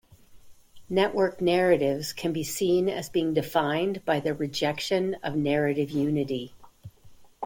Networked narratives can be seen as being defined by their rejection of narrative unity.